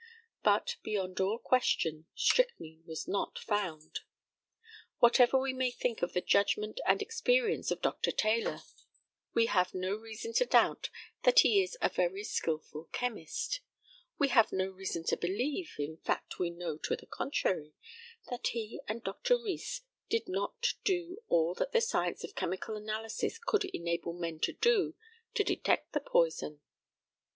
But, beyond all question, strychnine was not found. Whatever we may think of the judgment and experience of Dr. Taylor, we have no reason to doubt that he is a very skilful chemist; we have no reason to believe in fact, we know to the contrary that he and Dr. Rees did not do all that the science of chemical analysis could enable men to do to detect the poison.